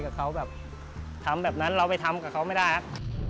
กับเขาแบบทำแบบนั้นเราไปทำกับเขาไม่ได้ครับ